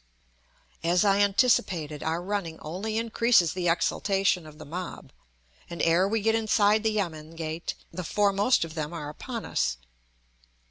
As I anticipated, our running only increases the exultation of the mob, and ere we get inside the yamen gate the foremost of them are upon us.